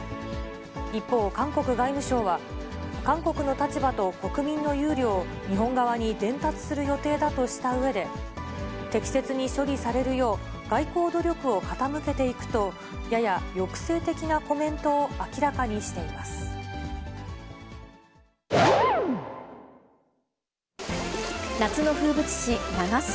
一方、韓国外務省は、韓国の立場と国民の憂慮を、日本側に伝達する予定だとしたうえで、適切に処理されるよう、外交努力を傾けていくと、やや抑制的なコメントを明らかにしています。